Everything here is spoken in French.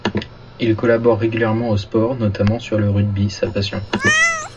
Il collabore régulièrement aux sports, notamment sur le rugby, sa passion.